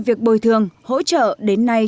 việc bồi thường hỗ trợ đến nay